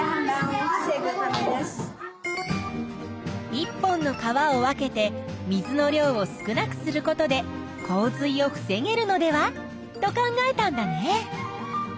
１本の川を分けて水の量を少なくすることで洪水を防げるのではと考えたんだね。